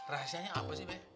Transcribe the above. rahasianya apa sih be